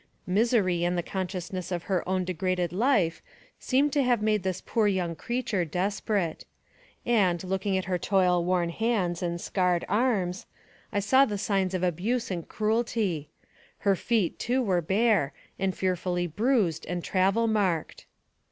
" Misery and the consciousness of her own degraded life seemed to have made this poor young creature des perate; and, looking at her toil worn hands and scarred arms, I saw the signs of abuse and cruelty ; her feet, too, were bare, and fearfully bruised and travel marked.